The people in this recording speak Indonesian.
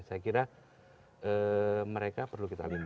saya kira mereka perlu kita lakukan